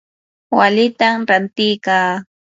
walitam rantikaa.